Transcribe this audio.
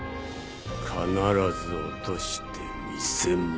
必ず落としてみせます！